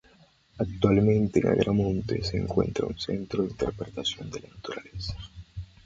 Actualmente en Agramonte se encuentra un Centro de Interpretación de la Naturaleza.